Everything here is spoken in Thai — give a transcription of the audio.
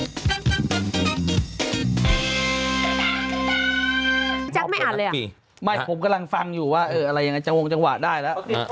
แตมังแจ๊กไม่อ่านเลยอะไม่ผมกำลังฟังอยู่ว่าอะไรยังไงก้างงกางหวะได้ละ